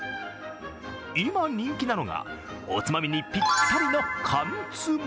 今人気なのがおつまみにぴったりの缶つま。